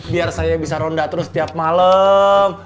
biar saya bisa ronda terus tiap malem